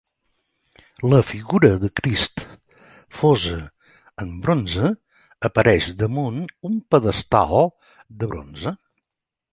La figura de Crist fosa en bronze, apareix damunt un pedestal de bronze.